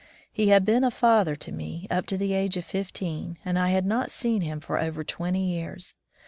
He had been a father to me up to the age of fifteen, and I had not seen him for over twenty years.